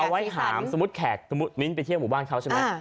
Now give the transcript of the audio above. ไว้ถามสมมุติแขกสมมุติมิ้นไปเที่ยวหมู่บ้านเขาใช่ไหม